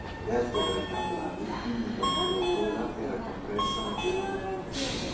Le vertebre caudali indicano che la coda era compressa lateralmente.